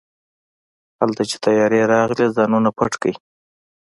هلته چې طيارې راغلې ځانونه پټ کړئ.